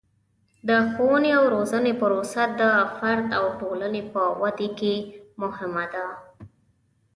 د ښوونې او روزنې پروسه د فرد او ټولنې په ودې کې مهمه ده.